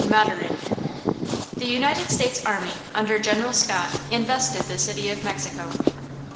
–MATURIN. THE United States army, under General Scott, invested the city of Mexico.